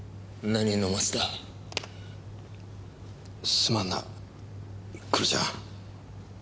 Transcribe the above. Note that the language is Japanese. すまんな黒ちゃん。